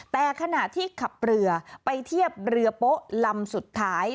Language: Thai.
แต่ขณะที่ขับเรือไปเทียบเรือโป๊ะลำสุดท้าย